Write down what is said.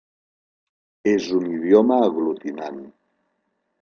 És un idioma aglutinant.